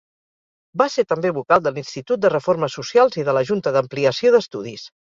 Va ser també vocal de l'Institut de Reformes Socials i de la Junta d'Ampliació d'Estudis.